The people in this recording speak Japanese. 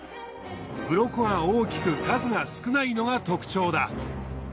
ウロコが大きく数が少ないのが特徴だ。